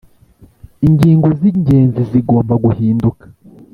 Ingingo zingenzi zigomba guhinduka